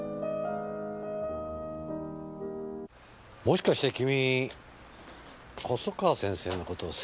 もしかして君細川先生の事好きなの？